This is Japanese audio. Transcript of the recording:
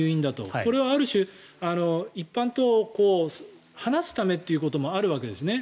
これはある種、一般と離すためということもあるわけですね。